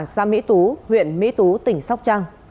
xa mỹ tú huyện mỹ tú tỉnh sóc trăng